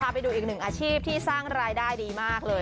ไปดูอีกหนึ่งอาชีพที่สร้างรายได้ดีมากเลย